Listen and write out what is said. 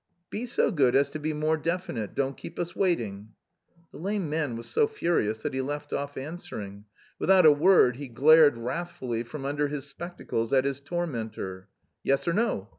"Be so good as to be more definite, don't keep us waiting." The lame man was so furious that he left off answering. Without a word he glared wrathfully from under his spectacles at his tormentor. "Yes or no?